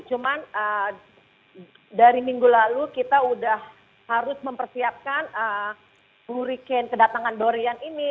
cuman dari minggu lalu kita sudah harus mempersiapkan blue rekan kedatangan dorian ini